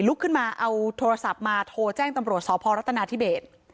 ลุกขึ้นมาเอาโทรศัพท์มาโทรแจ้งตำรวจสพรัฐนาธิเบส